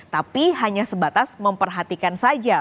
tapi hanya sebatas memperhatikan saja